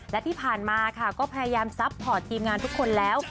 และที่ผ่านมาค่ะก็พยายามซัพพอร์ตทีมงานทุกคนแล้ว